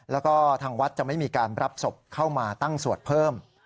แล้วก็ทางวัดจะไม่มีการรับศพเข้ามาตั้งสวดเพิ่ม